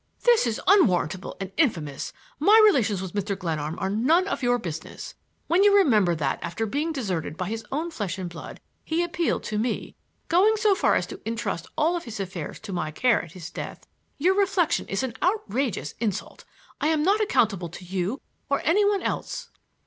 "This is unwarrantable and infamous! My relations with Mr. Glenarm are none of your business. When you remember that after being deserted by his own flesh and blood he appealed to me, going so far as to intrust all his affairs to my care at his death, your reflection is an outrageous insult. I am not accountable to you or any one else!"